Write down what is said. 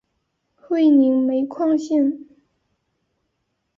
会宁煤矿线